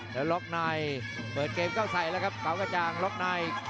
แล้วล็อกไนท์เผิดเกมเข้าใสแล้วครับคาวกะจางล็อกไนท์